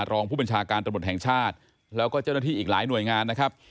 รองผู้บัญชาการตำรวจแห่งชาติแล้วก็เจ้าหน้าที่อีกหลายหน่วยงานนะครับ